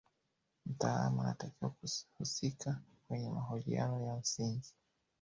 mtaalamu anatakiwa kuhusika kwenye mahojiano ya misingi